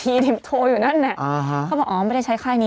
มีบางเบอร์หนูเคยเอาเบอร์โทรศัพท์ไปถาม